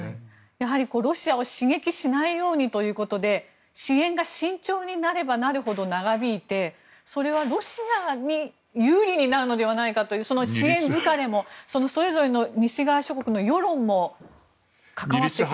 やはりロシアを刺激しないようにということで支援が慎重になればなるほど長引いてそれはロシアに有利になるのではないかという支援疲れもそのそれぞれの西側諸国の世論も関わってきますから。